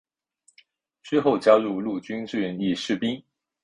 之后加入陆军志愿役士兵。